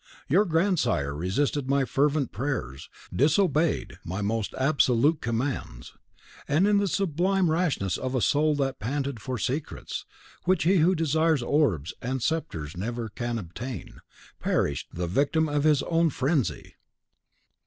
Your grandsire resisted my fervent prayers, disobeyed my most absolute commands, and in the sublime rashness of a soul that panted for secrets, which he who desires orbs and sceptres never can obtain, perished, the victim of his own frenzy."